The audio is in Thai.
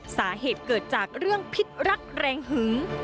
สาเหตุเกิดจากเรื่องพิษรักแรงหึง